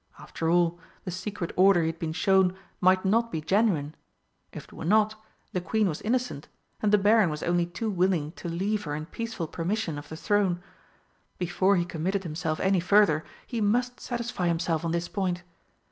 After all, the secret order he had been shown might not be genuine. If it were not, the Queen was innocent, and the Baron was only too willing to leave her in peaceful permission of the throne. Before he committed himself any further he must satisfy himself on this point.